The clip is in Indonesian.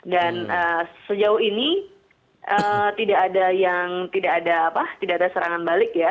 dan sejauh ini tidak ada yang tidak ada apa tidak ada serangan balik ya